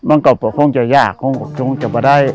มันก็ประโภจะยากจะไม่ได้